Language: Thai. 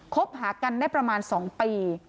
คบหากันได้ประมาณ๒ปี